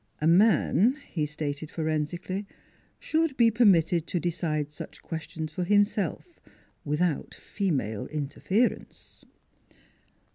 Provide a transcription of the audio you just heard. " A man," he stated forensically, " should be permitted to decide such questions for himself without female interference."